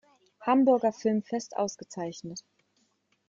Hamburger Filmfest ausgezeichnet.